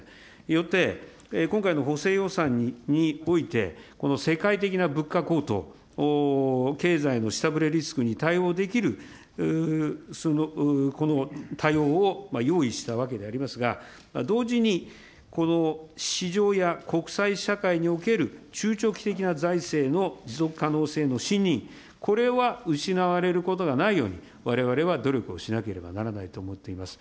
よって、今回の補正予算において、世界的な物価高騰、経済の下振れリスクに対応できる対応を用意したわけでございますが、同時にこの市場や国際社会における中長期的な財政の持続可能性の信認、これは失われることがないように、われわれは努力をしなければならないと思っています。